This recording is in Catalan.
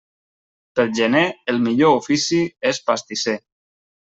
Pel gener, el millor ofici és pastisser.